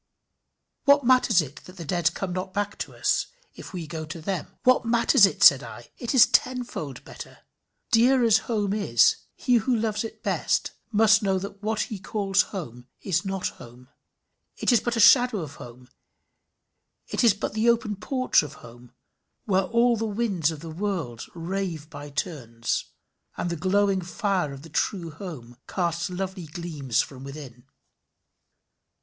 What matters it that the dead come not back to us, if we go to them? What matters it? said I! It is tenfold better. Dear as home is, he who loves it best must know that what he calls home is not home, is but a shadow of home, is but the open porch of home, where all the winds of the world rave by turns, and the glowing fire of the true home casts lovely gleams from within.